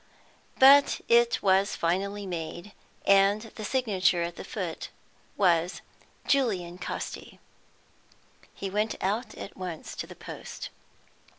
But it was finally made, and the signature at the foot was: Julian Casti. He went out at once to the post.